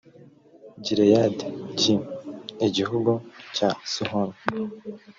gileyadi g igihugu cya sihoni